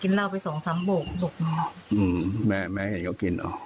กินเล่าไปสองสามโบกหนุ่มอืมแม่แม่เห็นเขากินอ๋อ